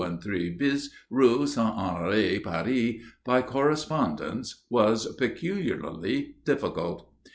213 bis, Rue Saint Honoré, Paris," by correspondence was peculiarly difficult.